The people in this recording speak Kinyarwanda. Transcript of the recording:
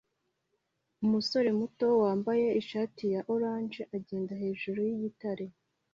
Umusore muto wambaye ishati ya orange agenda hejuru yigitare